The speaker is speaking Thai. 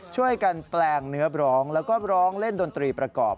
แปลงเนื้อบร้องแล้วก็ร้องเล่นดนตรีประกอบ